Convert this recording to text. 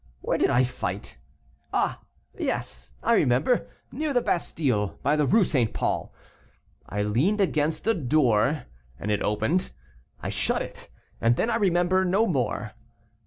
Where did I fight? Ah, yes, I remember; near the Bastile, by the Rue St. Paul. I leaned against a door, and it opened; I shut it and then I remember no more.